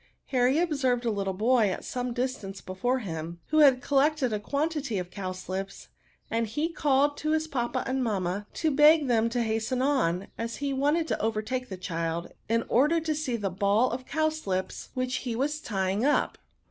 Harry observed a little boy at some a distance before him, who had col lected a quantity of cowslips, and he called to his papa and mamma to beg them to hasten on, as he wanted to overtake the child, in order to see the ball of cowslips which he 1S& NOUNS. was tying up.